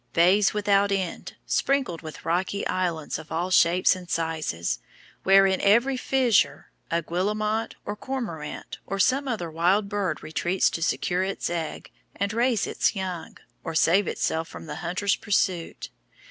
Bays without end, sprinkled with rocky islands of all shapes and sizes, where in every fissure a Guillemot, a Cormorant, or some other wild bird retreats to secure its egg, and raise its young, or save itself from the hunter's pursuit.